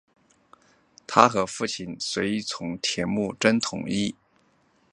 他和父亲随从铁木真统一蒙古诸部。